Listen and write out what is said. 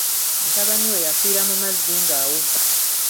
Mutabani we yafiira mu mazzi ng’awuga.